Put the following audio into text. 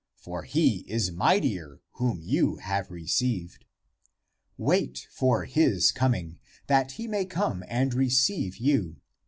For he is mightier whom you have received. Wait for his coming, that he may come and receive you.